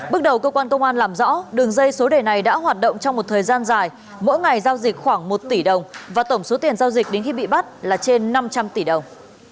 bước đầu cơ quan công an làm rõ đường dây số đề này đã hoạt động trong một thời gian dài mỗi ngày giao dịch khoảng một tỷ đồng và tổng số tiền giao dịch đến khi bị bắt là trên năm trăm linh tỷ đồng